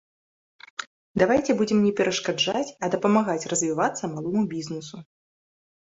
Давайце будзем не перашкаджаць, а дапамагаць развівацца малому бізнесу.